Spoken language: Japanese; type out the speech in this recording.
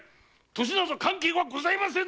年など関係はございませぬ！